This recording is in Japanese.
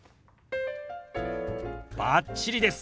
バッチリです。